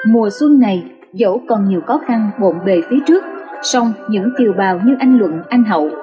mùa xuân này dẫu còn nhiều khó khăn bộn bề phía trước song những kiều bào như anh luận anh hậu